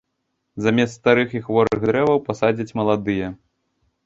Замест старых і хворых дрэваў пасадзяць маладыя.